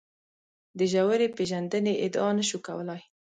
د ژورې پېژندنې ادعا نه شو کولای.